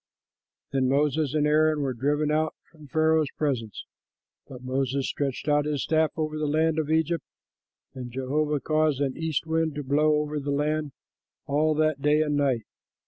'" Then Moses and Aaron were driven out from Pharaoh's presence, but Moses stretched out his staff over the land of Egypt, and Jehovah caused an east wind to blow over the land all that day and night.